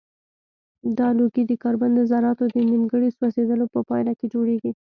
دا لوګی د کاربن د ذراتو د نیمګړي سوځیدلو په پایله کې جوړیږي.